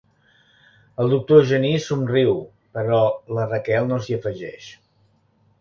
El doctor Genís somriu, però la Raquel no s'hi afegeix.